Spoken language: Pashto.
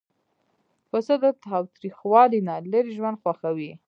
پسه د تاوتریخوالي نه لیرې ژوند خوښوي.